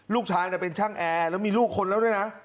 ลูกชายเป็นช่างแอร์แล้วมีลูกคนแล้วด้วยนะ